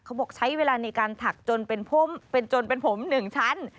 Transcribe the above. เขาบอกใช้เวลาในการถักจนเป็นจนเป็นผม๑ชั้น